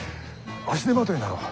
足手まといになろう。